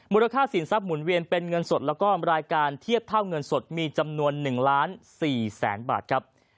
ค่าสินทรัพย์หมุนเวียนเป็นเงินสดแล้วก็รายการเทียบเท่าเงินสดมีจำนวน๑ล้าน๔แสนบาทครับ